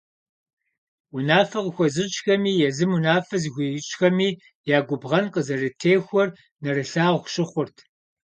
Унафэ къыхуэзыщӏхэми, езым унафэ зыхуищӏхэми я губгъэн къызэрытехуэр нэрылъагъу щыхъурт.